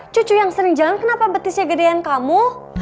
cucu yang sering jalan kenapa petisnya gedein kamu